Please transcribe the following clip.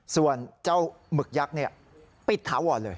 ส่วนเจ้าหมึกยักษ์ปิดถาวรเลย